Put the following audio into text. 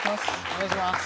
お願いします